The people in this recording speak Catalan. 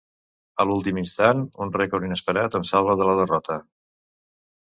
A l'últim instant, un record inesperat em salva de la derrota.